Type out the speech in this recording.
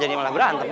jadi malah berantem